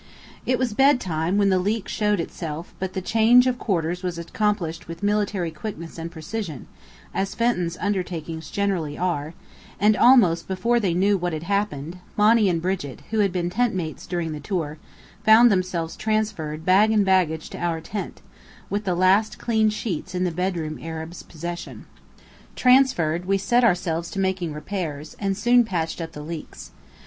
It was bedtime when the leak showed itself, but the change of quarters was accomplished with military quickness and precision, as Fenton's undertakings generally are; and almost before they knew what had happened, Monny and Brigit, who had been tent mates during the tour, found themselves transferred bag and baggage to our tent, with the last clean sheets in the bedroom Arab's possession. Transferred, we set ourselves to making repairs, and soon patched up the leaks.